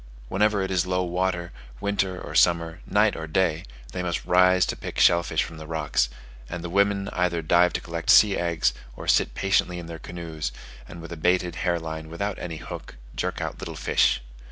Whenever it is low water, winter or summer, night or day, they must rise to pick shell fish from the rocks; and the women either dive to collect sea eggs, or sit patiently in their canoes, and with a baited hair line without any hook, jerk out little fish.